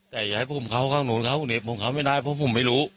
แต่อย่าให้พวกมันเข้าข้างหนูนเข้าหนีบพวกมันเข้าไม่ได้เพราะพวกมันไม่รู้